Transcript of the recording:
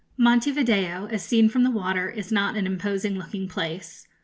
Monte Video, as seen from the water, is not an imposing looking place.